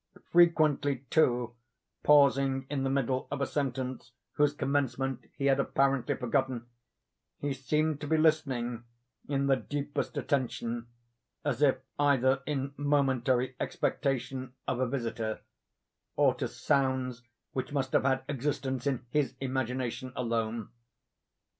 Frequently, too, pausing in the middle of a sentence whose commencement he had apparently forgotten, he seemed to be listening in the deepest attention, as if either in momentary expectation of a visitor, or to sounds which must have had existence in his imagination alone.